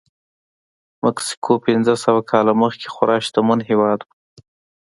مکسیکو پنځه سوه کاله مخکې خورا شتمن هېواد و.